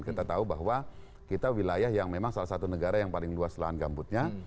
kita tahu bahwa kita wilayah yang memang salah satu negara yang paling luas lahan gambutnya